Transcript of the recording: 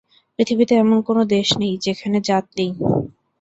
পৃথিবীতে এমন কোন দেশ নেই, যেখানে জাত নেই।